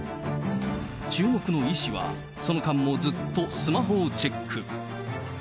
注目のイ氏は、その間もずっとスマホをチェック。